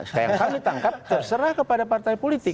yang kami tangkap terserah kepada partai politik